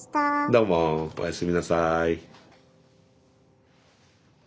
どうもおやすみなさい。